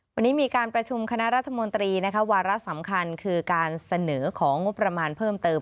วันนี้มีการประชุมคณะรัฐมนตรีวาระสำคัญคือการเสนอของงบประมาณเพิ่มเติม